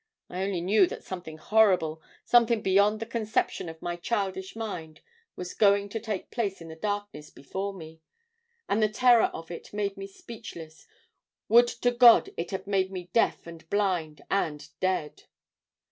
I only knew that something horrible something beyond the conception of my childish mind was going to take place in the darkness before me; and the terror of it made me speechless; would to God it had made me deaf and blind and dead!